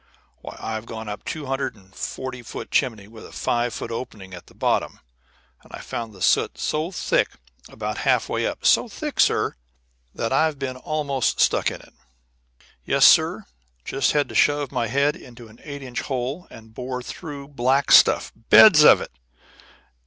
Why, I've gone up a two hundred and forty foot chimney with a five foot opening at the bottom, and found the soot so thick about half way up so thick, sir, that I've been almost stuck in it. Yes, sir, just had to shove my head into an eight inch hole and bore through black stuff, beds of it.